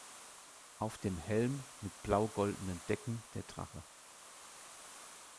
Auf dem Helm mit blau-goldenen Decken der Drache.